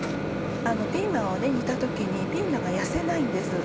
ピーマンを煮た時にピーマンが痩せないんです。